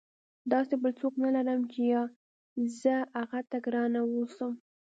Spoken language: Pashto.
داسې بل څوک نه لرم چې یا زه هغه ته ګرانه واوسم.